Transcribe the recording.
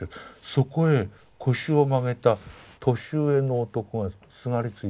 そこへ腰を曲げた年上の男がすがりついてる。